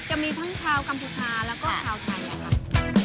จะมีทั้งชาวกัมพูชาแล้วก็ชาวไทยนะคะ